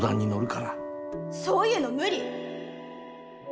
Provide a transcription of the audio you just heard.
そういうの無理！